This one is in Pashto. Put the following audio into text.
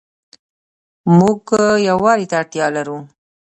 مونږ يووالي ته اړتيا لرو